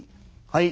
「はい」。